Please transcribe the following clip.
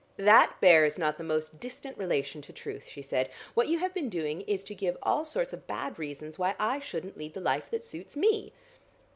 "That bears not the most distant relation to truth," she said. "What you have been doing is to give all sorts of bad reasons why I shouldn't lead the life that suits me."